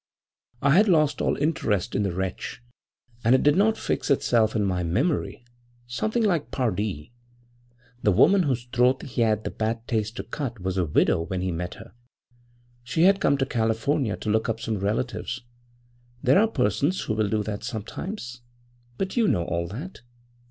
I had lost all interest in the wretch and it did not fix itself in my memory something like Pardee. The woman whose throat he had the bad taste to cut was a widow when he met her. She had come to California to look up some relatives there are persons who will do that sometimes. But you know all that.'